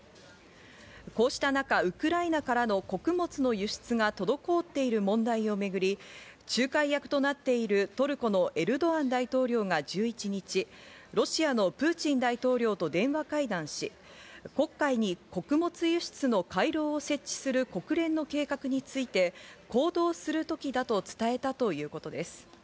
こうした中、ウクライナからの穀物の輸出が滞っている問題をめぐり、仲介役となっているトルコのエルドアン大統領が１１日、ロシアのプーチン大統領と電話会談し、黒海に穀物輸出の回廊を設置する国連の計画について、行動する時だと伝えたということです。